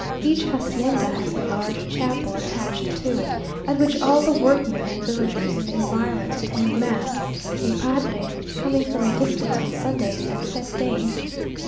Each hacienda has a large chapel attached to it, at which all the workmen and villagers in the environs attend mass; a padre coming from a distance on Sundays and fête days.